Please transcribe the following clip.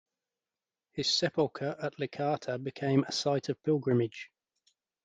His sepulcher at Licata became a site of pilgrimage.